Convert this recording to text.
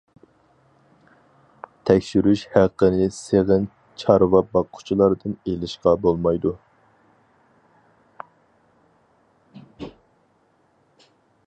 تەكشۈرۈش ھەققىنى سېغىن چارۋا باققۇچىلاردىن ئېلىشقا بولمايدۇ.